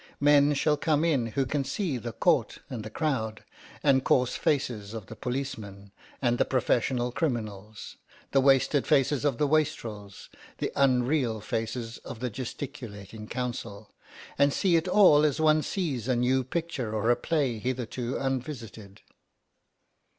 Men shall come in who can see the court and the crowd, and coarse faces of the policeman and the professional criminals, the wasted faces of the wastrels, the unreal faces of the gesticulating counsel, and see it all as one sees a new picture or a play hitherto unvisited.